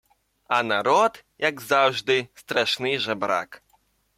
А народ, як завжди, страшний жебрак